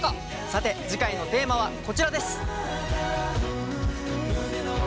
さて次回のテーマはこちらです。